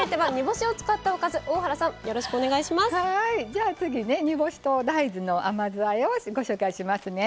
じゃあ次ね煮干しと大豆の甘酢あえをご紹介しますね。